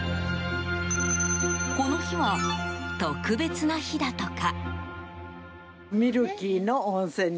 この日は特別な日だとか。